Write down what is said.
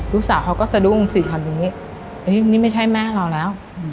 ลูกสาวเขาก็สะดุ้งสี่คันนี้นี่ไม่ใช่แม่เราแล้ว